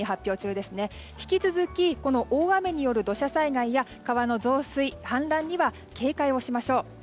引き続きこの大雨による土砂災害や川の増水・氾濫には警戒をしましょう。